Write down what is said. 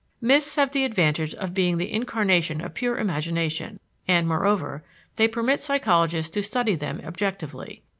Myths have the advantage of being the incarnation of pure imagination, and, moreover, they permit psychologists to study them objectively.